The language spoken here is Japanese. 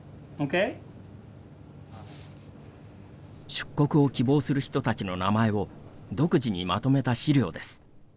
出国を希望する人たちの名前を独自にまとめた資料です。